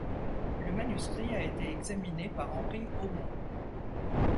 Le manuscrit a été examiné par Henri Omont.